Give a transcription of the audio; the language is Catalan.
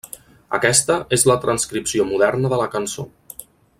Aquesta és la transcripció moderna de la cançó.